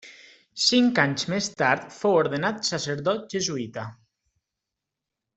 Cinc anys més tard fou ordenat sacerdot jesuïta.